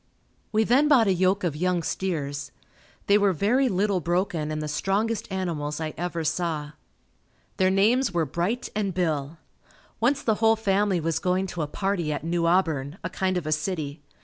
We then bought a yoke of young steers. They were very little broken and the strongest animals I ever saw. Their names were Bright and Bill. Once the whole family was going to a party at New Auburn, a kind of a city.